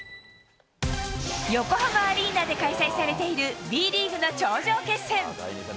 横浜アリーナで開催されているＢリーグの頂上決戦。